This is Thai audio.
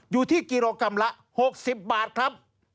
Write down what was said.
อยู่ที่กิโลกรัมละ๖๐บาทครับ